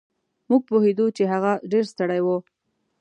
مونږ پوهېدو چې هغه ډېر ستړی و.